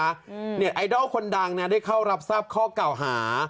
เน็ตไอดอลคนดังนะได้เข้ารับทราบข้อเก่าหา